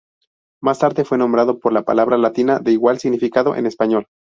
Más tarde, fue nombrado por la palabra latina de igual significado en español.